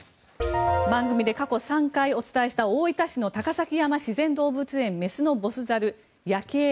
番組で過去３回お伝えした大分市の高崎山自然動物園雌のボス猿、ヤケイ。